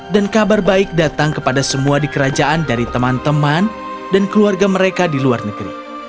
dan kabar baik datang kepada semua di kerajaan dari teman teman dan keluarga mereka di luar negeri